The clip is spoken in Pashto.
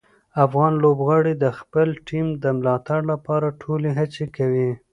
افغان لوبغاړي د خپلې ټیم د ملاتړ لپاره ټولې هڅې کوي.